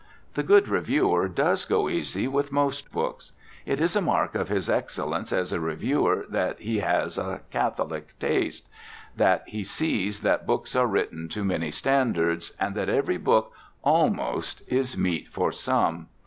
The good reviewer does go easy with most books. It is a mark of his excellence as a reviewer that he has a catholic taste, that he sees that books are written to many standards, and that every book, almost, is meet for some.